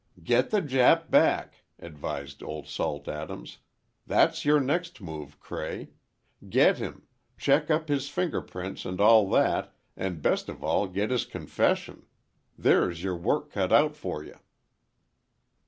"Get the Jap back," advised Old Salt Adams. "That's your next move, Cray. Get him, check up his finger prints and all that, and best of all get his confession. There's your work cut out for you."